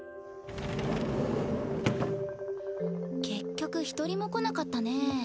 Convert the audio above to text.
結局一人も来なかったね。